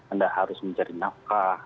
anda harus mencari nafkah